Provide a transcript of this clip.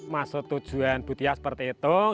masuk tujuan butia seperti itu